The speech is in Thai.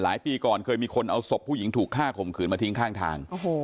ปีก่อนเคยมีคนเอาศพผู้หญิงถูกฆ่าข่มขืนมาทิ้งข้างทาง